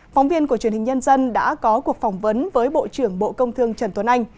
phóng viên của truyền hình nhân dân đã có cuộc phỏng vấn với bộ trưởng bộ công thương trần tuấn anh